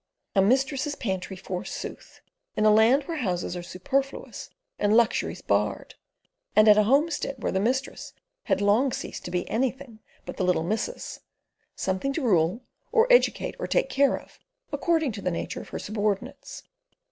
A mistress's pantry forsooth, in a land where houses are superfluous and luxuries barred, and at a homestead where the mistress had long ceased to be anything but the little missus—something to rule or educate or take care of, according to the nature of her subordinates.